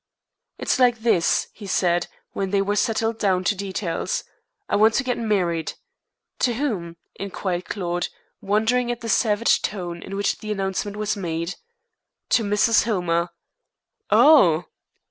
"It's like this," he said, when they were settled down to details, "I want to get married." "To whom?" inquired Claude, wondering at the savage tone in which the announcement was made. "To Mrs. Hillmer." "Oh!"